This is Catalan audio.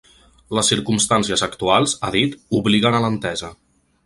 Les circumstàncies actuals –ha dit– ‘obliguen a l’entesa’.